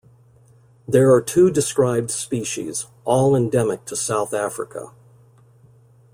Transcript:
There are two described species, all endemic to South Africa.